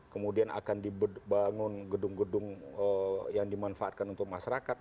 kemudian akan dibangun gedung gedung yang dimanfaatkan untuk masyarakat